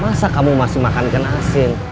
masa kamu masih makan ikan asin